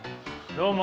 どうも。